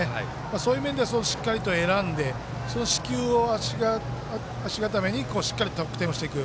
そういう面ではしっかりと選んで四球を足固めにしっかりと得点していく。